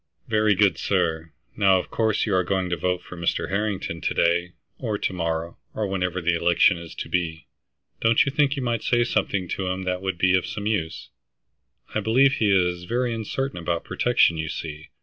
"Very good, sir. Now of course you are going to vote for Mr. Harrington to day, or to morrow, or whenever the election is to be. Don't you think yon might say something to him that would be of some use? I believe he is very uncertain about protection, you see.